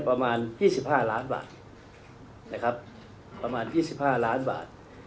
ประมาน๒๕หลาบาทนะครับประมาณ๒๕หลาบาท